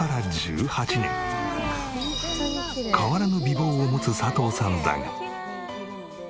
変わらぬ美貌を持つ佐藤さんだが。